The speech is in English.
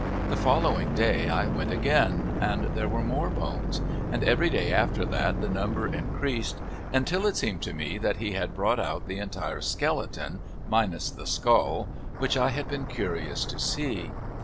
The following day I went again, and there were more bones, and every day after that the number increased until it seemed to me that he had brought out the entire skeleton, minus the skull, which I had been curious to see.